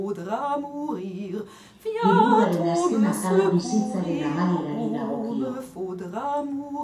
Liburuaren azken atala bizitzaren amaierari dagokio.